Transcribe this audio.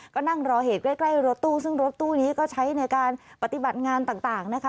ก็นั่งรอเหตุใกล้รถตู้ซึ่งรถตู้นี้ก็ใช้ในการปฏิบัติงานต่างนะคะ